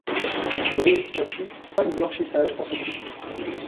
Il réussit ainsi cinq blanchissages consécutifs.